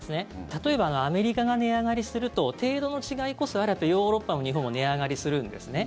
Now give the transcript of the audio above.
例えばアメリカが値上がりすると程度の違いこそあれヨーロッパも日本も値上がりするんですね。